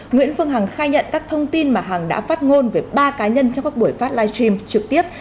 nguyễn phương hằng khai nhận các thông tin mà hằng đã phát ngôn về ba cá nhân trong các buổi phát live stream trực tiếp